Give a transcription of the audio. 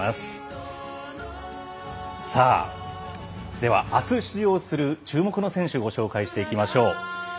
ではあす出場する注目の選手をご紹介していきましょう。